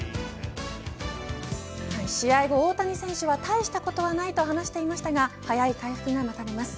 試合後、大谷選手は大したことないと話していましたが早い回復が待たれます。